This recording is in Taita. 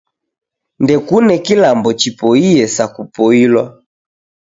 Ndekune kilambo chipoiye sa kupoilwa.